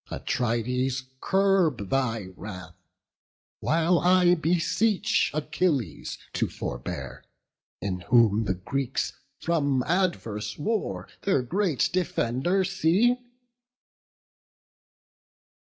Atrides, curb thy wrath! while I beseech Achilles to forbear; in whom the Greeks From adverse war their great defender see."